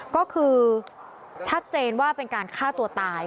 ก็คือชัดเจนว่าเป็นการฆ่าตัวตาย